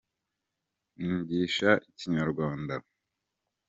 nigisha ikinyarwanda